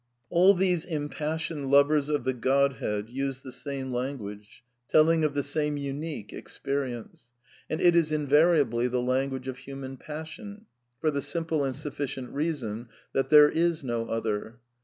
All these impassioned lovers of the Godhead use the same language, telling of the same unique experience ; and iLi* ^® invariably the language of human passion; for the jriimple and sufficient reason that there is no other.